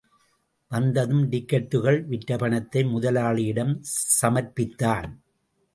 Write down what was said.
வந்ததும், டிக்கட்டுக்கள் விற்ற பணத்தை முதலாளியிடம் சமர்ப்பித்தான்.